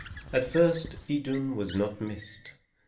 At first Idun was not missed.